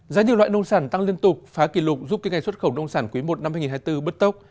giá nhiều loại nông sản tăng liên tục phá kỷ lục giúp kinh ngày xuất khẩu nông sản quý i năm hai nghìn hai mươi bốn bứt tốc